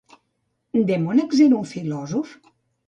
Demònax era un filòsof?